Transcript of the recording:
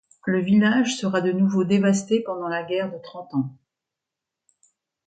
Le village sera de nouveau dévasté pendant la Guerre de Trente Ans.